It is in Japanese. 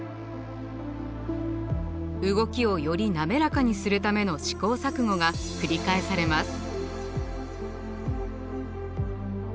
動きをより滑らかにするための試行錯誤が繰り返されます。